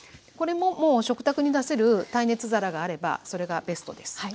これももう食卓に出せる耐熱皿があればそれがベストです。